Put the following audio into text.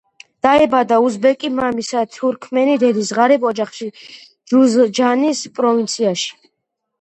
დაიბადა უზბეკი მამისა და თურქმენი დედის ღარიბ ოჯახში, ჯუზჯანის პროვინციაში.